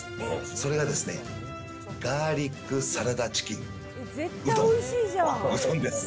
それがガーリックサラダチキンうどん、うどんです。